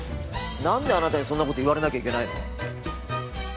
なんであなたにそんな事言われなきゃいけないの？